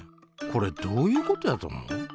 これどういうことやと思う？